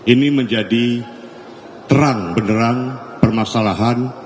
ini menjadi terang benerang permasalahan